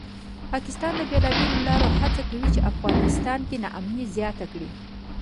پاکستان د بېلابېلو لارو هڅه کوي چې افغانستان کې ناامني زیاته کړي